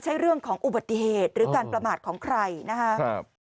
ใช่เรื่องของอุบัติเหตุหรือการประมาทของใครนะครับ